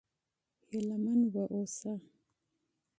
هيله من و اوسه!